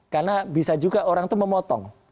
karena bisa juga orang itu memotong